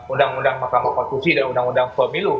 undang undang mahkamah konstitusi dan undang undang pemilu